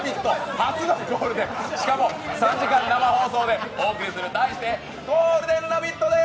初のゴールデン、しかも、３時間生放送でお送りする題して「ゴールデンラヴィット！」です！